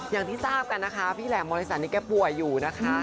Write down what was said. อย่างที่ทราบกันนะคะพี่แหลมมริสันนี่แกป่วยอยู่นะคะ